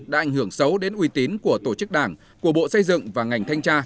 đã ảnh hưởng xấu đến uy tín của tổ chức đảng của bộ xây dựng và ngành thanh tra